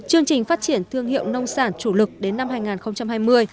chương trình phát triển thương hiệu nông sản chủ lực đến năm hai nghìn hai mươi